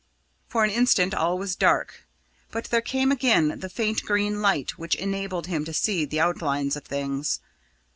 For an instant all was dark, but there came again the faint green light which enabled him to see the outlines of things.